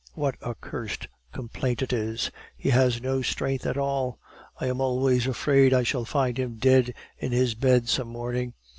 What a cursed complaint it is! He has no strength at all. I am always afraid I shall find him dead in his bed some morning.